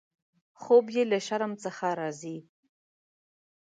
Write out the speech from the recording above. خوب یې له شرم څخه راځي.